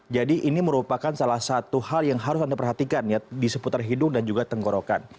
jadi ini merupakan salah satu hal yang harus anda perhatikan di seputar hidung dan juga tenggorokan